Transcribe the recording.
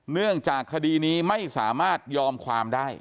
เนื่องจากคดีนี้ไม่สามารถยอมความได้